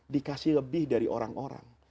dikasih lebih dari orang orang